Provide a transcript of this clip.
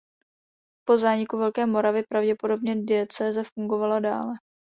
Po zániku Velké Moravy pravděpodobně diecéze fungovala dále.